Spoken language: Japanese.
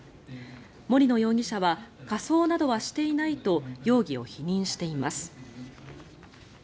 森野容疑者は仮装などはしていないと容疑を否認しています。